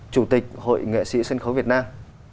chủ tịch hội nghệ sĩ sân khấu việt nam